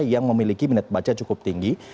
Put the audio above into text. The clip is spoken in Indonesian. yang memiliki minat baca cukup tinggi